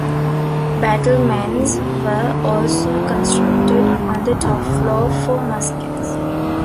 Battlements were also constructed on the top floor for muskets.